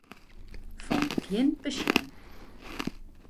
Fan begjin besjen.